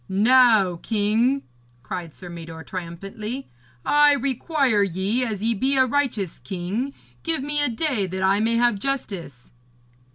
'Now, king,' cried Sir Mador triumphantly, 'I require ye, as ye be a righteous king, give me a day that I may have justice.'